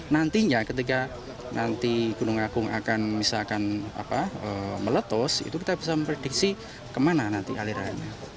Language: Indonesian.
nantinya ketika gunung agung akan meletus kita bisa memprediksi kemana nanti alirannya